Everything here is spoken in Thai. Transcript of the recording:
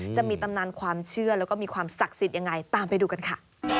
จะมีตำนานความเชื่อแล้วก็มีความศักดิ์สิทธิ์ยังไงตามไปดูกันค่ะ